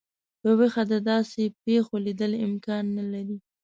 په ویښه د داسي پیښو لیدل امکان نه لري.